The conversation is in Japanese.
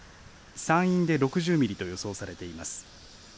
山陰で６０ミリと予想されています。